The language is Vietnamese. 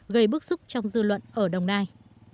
gây bước xúc trong dư luận ở đồng nai